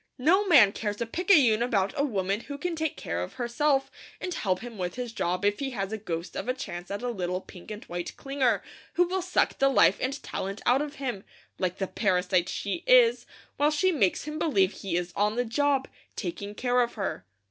No man cares a picayune about a woman who can take care of herself, and help him with his job if he has a ghost of a chance at a little pink and white clinger, who will suck the life and talent out of him, like the parasite she is, while she makes him believe he is on the job, taking care of her.